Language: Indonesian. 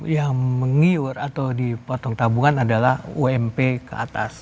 yang mengiur atau dipotong tabungan adalah ump ke atas